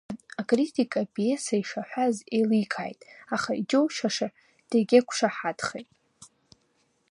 Акритик апиеса ишаҳәоз еиликааит, аха иџьоушьаша дегьақәшаҳаҭхеит.